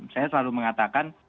saya selalu mengatakan